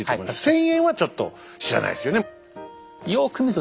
千円はちょっと知らないですよね。